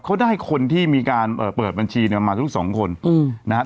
เขาได้คนที่มีการเปิดบัญชีมาทุก๒คนนะครับ